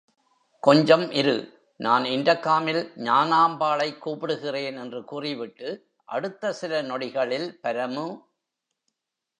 கொஞ்சம் இரு, நான் இன்டர்காமில் ஞானாம்பாளைக் கூப்பிடுகிறேன். என்று கூறி விட்டு அடுத்த சில நொடிகளில் பரமு!